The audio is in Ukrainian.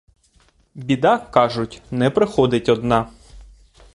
Біда, кажуть, не приходить одна.